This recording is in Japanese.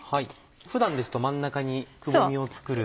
普段ですと真ん中にくぼみを作る。